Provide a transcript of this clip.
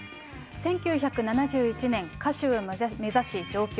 １９７１年、歌手を目指し上京。